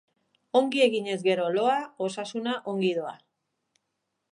Ongi eginez gero loa, osasuna ongi doa.